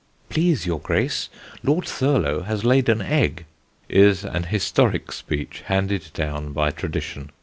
"Please, your Grace, Lord Thurlow has laid an egg," is an historic speech handed down by tradition.